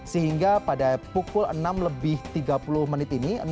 sehingga pada pukul enam lebih tiga puluh menit ini